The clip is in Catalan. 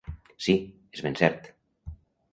Sí; és ben cert.